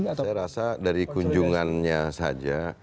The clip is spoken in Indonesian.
saya rasa dari kunjungannya saja